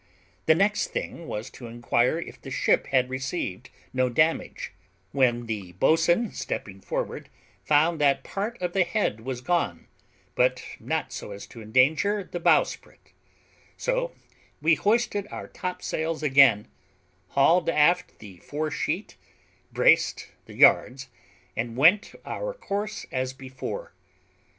The next thing was to inquire if the ship had received no damage, when the boatswain, stepping forward, found that part of the head was gone, but not so as to endanger the bowsprit; so we hoisted our top sails again, hauled aft the fore sheet, braced the yards, and went our course as before.